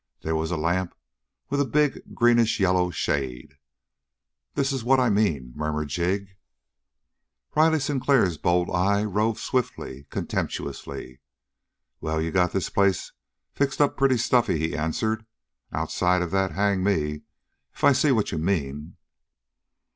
There was a lamp with a big greenish yellow shade. "This is what I mean," murmured Jig. Riley Sinclair's bold eye roved swiftly, contemptuously. "Well, you got this place fixed up pretty stuffy," he answered. "Outside of that, hang me if I see what you mean."